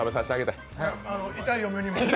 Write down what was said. はい、痛い嫁にも。